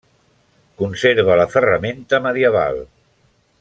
Conserva la ferramenta medieval.